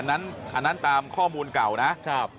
อันนั้นตามข้อมูลเก่านะ